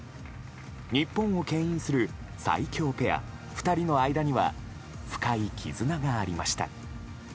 日本を牽引する最強ペア２人の間には深い絆がありました。